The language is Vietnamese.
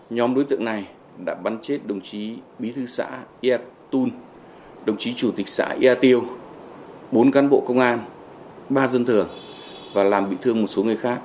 nhóm đối tượng này đã bắn chết đồng chí bí thư xã yat tun đồng chí chủ tịch xã yat tieu bốn cán bộ công an ba dân thường và làm bị thương một số người khác